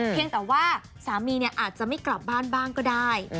เพียงแต่ว่าสามีอาจจะไม่กลับบ้านบ้างก็ได้